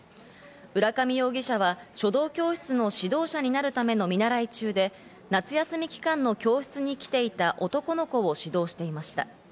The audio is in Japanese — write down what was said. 浦上容疑者は書道教室の指導者になるための見習い中で、夏休み期間の教室に来ていた男の子を指導していました。